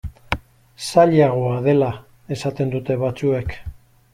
Zailagoa dela esaten dute batzuek.